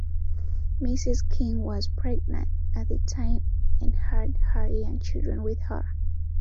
Mrs. King was pregnant at the time and had her young children with her.